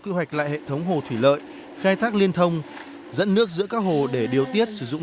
kế hoạch lại hệ thống hồ thủy lợi khai thác liên thông dẫn nước giữa các hồ để điều tiết sử dụng